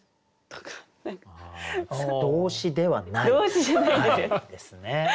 動詞ではないですね。